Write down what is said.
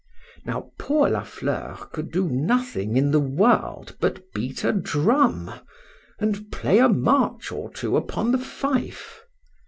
Now poor La Fleur could do nothing in the world but beat a drum, and play a march or two upon the fife.